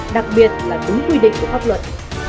đặc biệt là đúng quy định của pháp luật